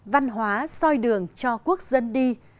văn hóa soi đường cho quốc dân đi